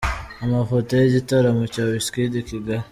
Amafoto y’igitaramo cya Wizkid i Kigali.